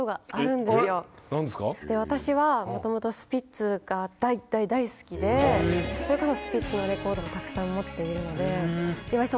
私はもともとスピッツが大大大好きでそれこそスピッツのレコードもたくさん持っているので。